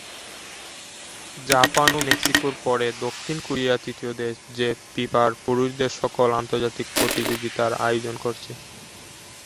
Japan ও মেক্সিকোর পরে দক্ষিণ কোরিয়া তৃতীয় দেশ, যে ফিফার পুরুষদের সকল আন্তর্জাতিক প্রতিযোগিতার আয়োজন করেছে।